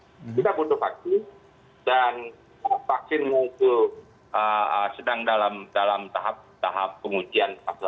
jadi sedang dalam tahap pengujian